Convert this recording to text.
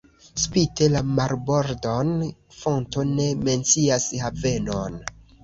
Spite la marbordon fonto ne mencias havenon.